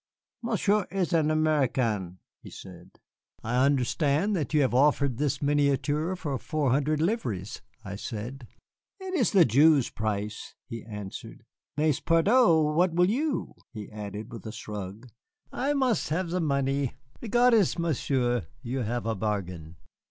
"Monsieur is an American," he said. "I understand that you have offered this miniature for four hundred livres," I said. "It is the Jew's price," he answered; "mais pardieu, what will you?" he added with a shrug, "I must have the money. Regardez, Monsieur, you have a bargain.